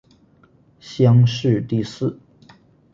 乡试第四。